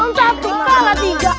enggak entah buka lah tiga